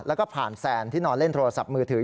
แล้วก็ผ่านแซนที่นอนเล่นโทรศัพท์มือถือ